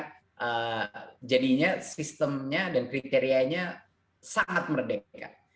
kampus merdeka jadinya sistemnya dan kriterianya sangat merdeka